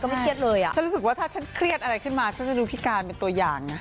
ฉันรู้สึกว่าถ้าฉันเครียดอะไรขึ้นมาฉันจะดูพี่การเป็นตัวอย่างนะ